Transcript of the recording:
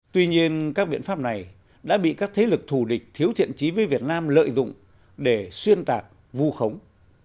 tuy nhiên các biện pháp này đã bị các thế lực thù địch thiếu thiện trí với việt nam lợi dụng để xuyên tạc vu khống